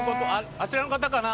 あちらの方かな？